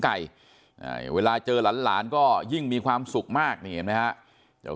ไก่เวลาเจอหลานก็ยิ่งมีความสุขมากนะเห็นไหมครับเจ้า